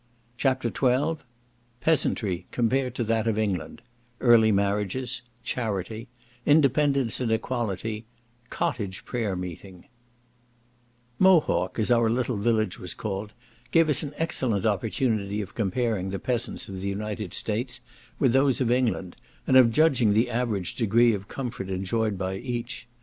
CHAPTER XII Peasantry, compared to that of England—Early marriages—Charity—Independence and equality—Cottage prayer meeting Mohawk, as our little village was called, gave us an excellent opportunity of comparing the peasants of the United States with those of England, and of judging the average degree of comfort enjoyed by each.